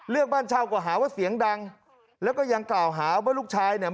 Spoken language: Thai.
เรื่องบ้านเช่าก็หาว่าเสียงดังแล้วก็ยังกล่าวหาว่าลูกชายเนี่ย